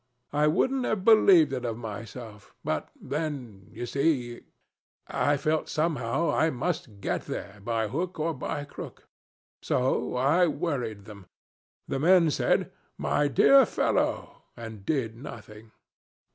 I wouldn't have believed it of myself; but, then you see I felt somehow I must get there by hook or by crook. So I worried them. The men said 'My dear fellow,' and did nothing.